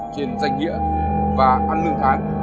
trên danh nghĩa và ăn lưu tháng